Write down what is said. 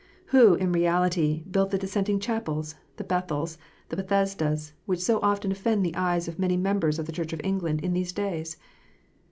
Who, in reality, built the Dissenting chapels, the Bethels, the Bethesdas, which so often offend the eyes of many members of the Church of England in these days